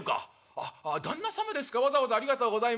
「あっ旦那様ですかわざわざありがとうございますええ。